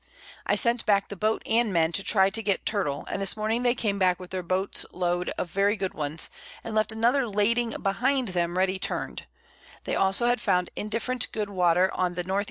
I sent back the Boat and Men to try to get Turtle; and this Morning they came back with their Boats Load of very good ones, and left another lading behind them ready turn'd; they also had found indifferent good Water on the N. E.